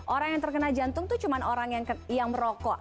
orang yang terkena jantung tuh cuma orang yang merokok